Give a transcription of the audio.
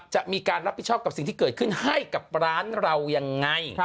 จะมีการรับผิดชอบกับสิ่งที่เกิดขึ้นให้กับร้านเรายังไง